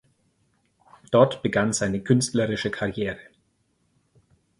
Dort begann seine künstlerische Karriere.